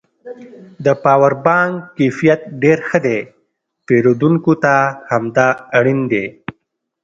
د پاور بانک کیفیت ډېر ښه دی پېرودونکو ته همدا اړین دی